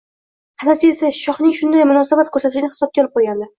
Hasadchi esa shohning shunday munosabat koʻrsatishini hisobga olib qoʻygandi